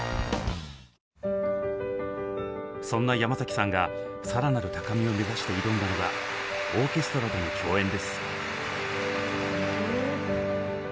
そんな山崎さんが更なる高みを目指して挑んだのがオーケストラとの共演です。